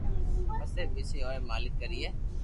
پسو بي سھي ھوئي مالڪ ڪرئي